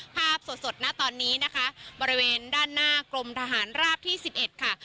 ภาพสดณตอนนี้นะคะบริเวณด้านหน้ากรมทหารราบที่๑๑ค่ะ